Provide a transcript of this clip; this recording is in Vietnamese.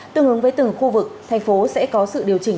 tương ứng với từng khu vực thành phố sẽ có sự điều chỉnh